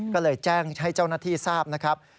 ก็เลยแจ้งให้เจ้าหน้าที่ทราบนะครับ